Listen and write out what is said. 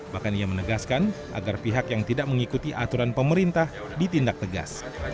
bahkan ia menegaskan agar pihak yang tidak mengikuti aturan pemerintah ditindak tegas